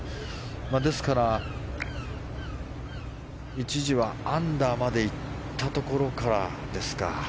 ですから、一時はアンダーまでいったところからですか。